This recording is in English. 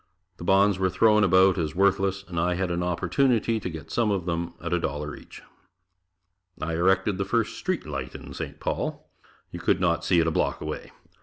The bonds were thrown about as worthless and I had an opportunity to get some of them at $1 each. I erected the first street light in St. Paul. You could not see it a block away.